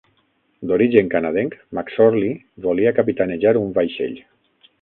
D'origen canadenc, McSorley volia capitanejar un vaixell.